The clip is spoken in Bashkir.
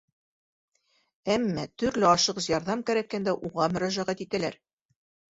Әммә төрлө ашығыс ярҙам кәрәккәндә уға мөрәжәғәт итәләр.